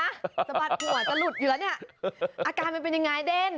สะบัดหัวจะหลุดอยู่แล้วเนี่ยอาการมันเป็นยังไงเด้น